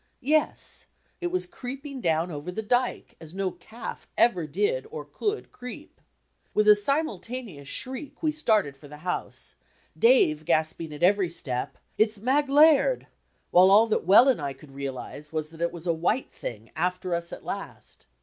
Yes! It was creeping down over the dyke, as no calf ever did or could creep. With a simultaneous shriek we staned for the house, Dave gasping at every step, "It's Mag Laird," while all that Well and I could realize was that it was a "white thing" after us at last!